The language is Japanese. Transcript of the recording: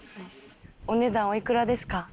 お値段お幾らですか？